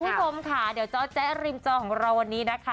ทุกคนค่ะเดี๋ยวเจ้าแจ๊กริมจอของเราวันนี้นะคะ